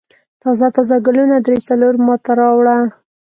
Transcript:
تازه تازه ګلونه درې څلور ما ته راوړه.